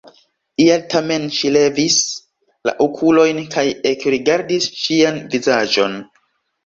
Ial tamen ŝi levis la okulojn kaj ekrigardis ŝian vizaĝon.